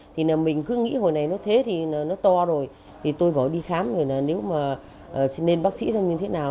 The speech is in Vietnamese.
thì là mình cứ nghĩ hồi này nó thế thì nó to rồi thì tôi bỏ đi khám rồi là nếu mà nên bác sĩ ra như thế nào